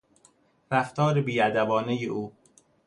رفتار بیادبانهی او